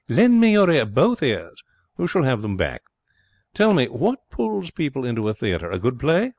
Lend me your ear both ears. You shall have them back. Tell me: what pulls people into a theatre? A good play?